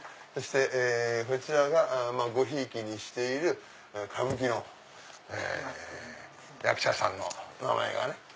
そしてこちらがごひいきにしている歌舞伎の役者さんの名前がね。